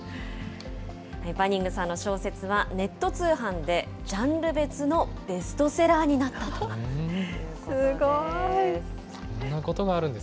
バニングさんの小説は、ネット通販で、ジャンル別のベストセラーになったということです。